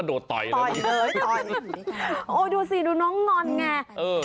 โอ้ดูสิดูน้องงณได้ไง